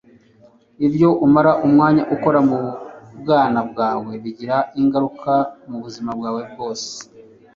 ibyo umara umwanya ukora mubwana bwawe bigira ingaruka mubuzima bwawe bwose